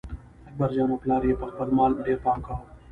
اکبرجان او پلار یې په خپل مال ډېر پام کاوه.